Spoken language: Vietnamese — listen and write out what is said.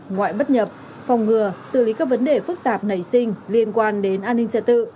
ngoại bất nhập phòng ngừa xử lý các vấn đề phức tạp nảy sinh liên quan đến an ninh trật tự